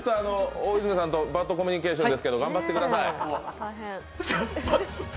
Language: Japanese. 大泉さんとバッドコミュニケーションですけど頑張ってください。